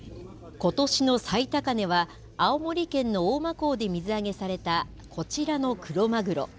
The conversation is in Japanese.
ことしの最高値は、青森県の大間港で水揚げされたこちらのクロマグロ。